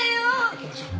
行きましょう。